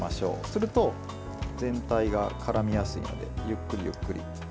すると、全体がからみやすいのでゆっくりゆっくり。